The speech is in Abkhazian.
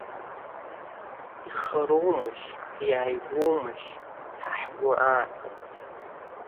Ихароумашь, иааигәоумашь ҳа ҳгәы ааԥын?